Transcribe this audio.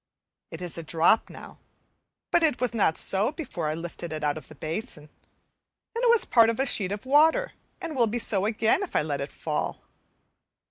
It is a drop now, but it was not so before I lifted it out of the basin; then it was part of a sheet of water, and will be so again if I let it fall.